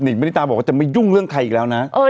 หนึ่งไม่ได้ตามบอกว่าจะไม่ยุ่งเรื่องใครอีกแล้วนะ